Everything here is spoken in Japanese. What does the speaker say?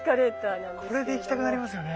これで行きたくなりますよね。